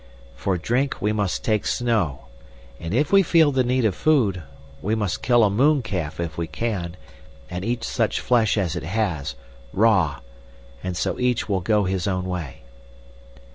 For drink we must take snow, and if we feel the need of food, we must kill a mooncalf if we can, and eat such flesh as it has—raw—and so each will go his own way."